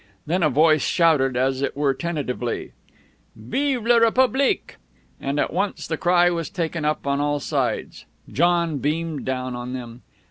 Then a voice shouted, as it were tentatively, "Vive la Republique!" and at once the cry was taken up on all sides. John beamed down on them.